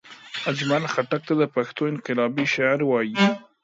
اجمل خټګ ته دا پښتو انقلابي شاعر وايي